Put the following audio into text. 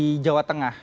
terutama di jawa tengah